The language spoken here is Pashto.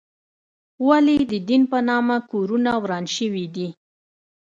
ولې د دین په نامه کورونه وران شوي دي؟